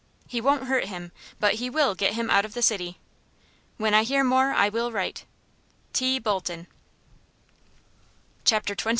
He won't hurt him, but he will get him out of the city. Wen I hear more I will right. "T. Bolton." Chapter XXVI.